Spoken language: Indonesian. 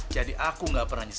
jadi aku gak pernah nyesel